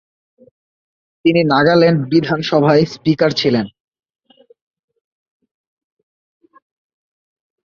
তিনি নাগাল্যান্ড বিধানসভার স্পিকার ছিলেন।